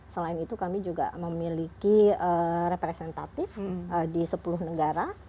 selain itu kami juga memiliki representatif di sepuluh negara